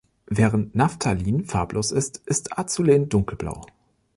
Während Naphthalin farblos ist, ist Azulen dunkelblau.